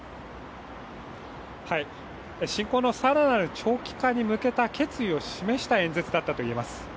侵攻の更なる長期化に向けた決意を示した演説だったといえます。